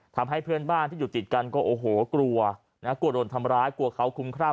ทำให้เพื่อนบ้านที่อยู่ติดกันก็โอ้โหกลัวนะกลัวโดนทำร้ายกลัวเขาคุ้มครั่ง